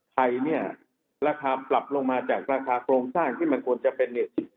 ไทยเนี่ยราคาปรับลงมาจากราคาโครงสร้างที่มันควรจะเป็น๑๐